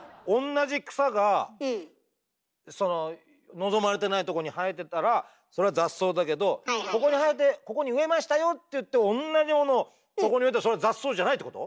望まれてないとこに生えてたらそれは雑草だけどここに生えてここに植えましたよっていって同じものをそこに植えたらそれは雑草じゃないってこと？